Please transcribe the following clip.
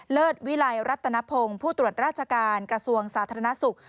เลิศวิลัยรัตนพงศ์ผู้ตรวจราชการกระทรวงสาธารณสุข